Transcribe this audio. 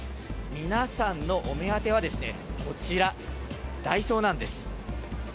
皆さんのお目当てはですね、こちら、ダイソーなんです。